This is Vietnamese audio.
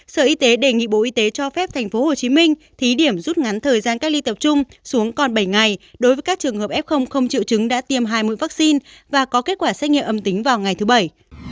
sở y tế đề nghị bộ y tế cho phép tp hcm thí điểm rút ngắn thời gian cách ly tập trung xuống còn bảy ngày đối với các trường hợp f không triệu chứng đã tiêm hai mũi vaccine và có kết quả xét nghiệm âm tính vào ngày thứ bảy